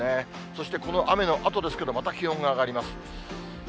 そしてこの雨のあとですけど、また気温が上がります。